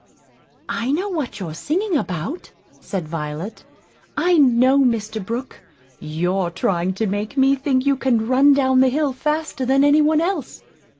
"I know what you're singing about," said Violet; "I know, Mr. Brook; you're trying to make me think you can run down the hill faster than any one else.